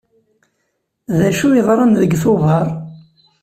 D acu yeḍran deg Tubeṛ?